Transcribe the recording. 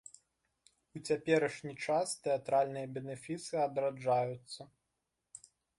У цяперашні час тэатральныя бенефісы адраджаюцца.